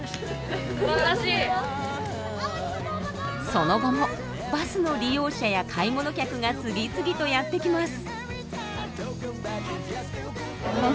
その後もバスの利用者や買い物客が次々とやって来ます。